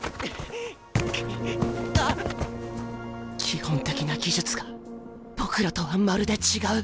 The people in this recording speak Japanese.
基本的な技術が僕らとはまるで違う。